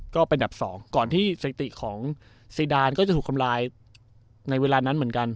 ก็เป็นดับสองก่อนที่สถิติของซีดานก็จะถูกทำลายในเวลานั้นเหมือนกัน